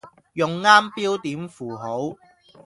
用啱標點符號